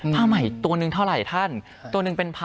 ผ้าใหม่ตัวหนึ่งเท่าไหร่ท่านตัวหนึ่งเป็นพัน